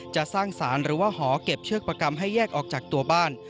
จะสร้างสารหรือว่าหอเก็บเชือกประกรรมให้แยกออกจากตัวบ้าน